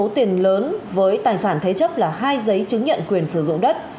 tiền lớn với tài sản thế chấp là hai giấy chứng nhận quyền sử dụng đất